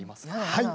はい。